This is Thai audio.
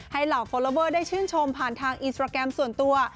เหล่าฟอลลอเวอร์ได้ชื่นชมผ่านทางอินสตราแกรมส่วนตัว